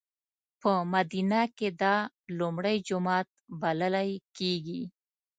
په مدینه کې دا لومړی جومات بللی کېږي.